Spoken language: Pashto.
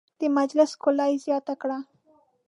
د مجلس ښکلا یې زیاته کړه.